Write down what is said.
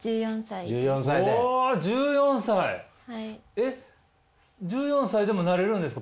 えっ１４歳でもなれるんですか？